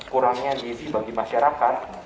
kurangnya diisi bagi masyarakat